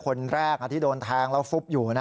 คนแรกที่โดนแทงแล้วฟุบอยู่